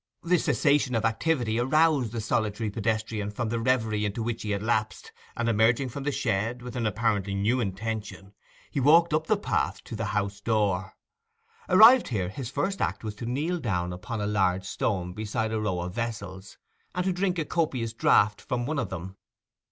This cessation of activity aroused the solitary pedestrian from the reverie into which he had lapsed, and, emerging from the shed, with an apparently new intention, he walked up the path to the house door. Arrived here, his first act was to kneel down on a large stone beside the row of vessels, and to drink a copious draught from one of them.